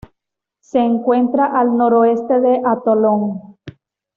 Se encuentra al noroeste del atolón.